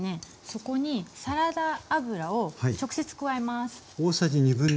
そこにサラダ油を直接加えます。